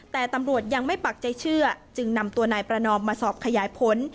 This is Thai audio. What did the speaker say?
แต่ตำรวจยังไม่ปักใจเชื่อจึงนำตัวนายประนอมมาสอบขยายผล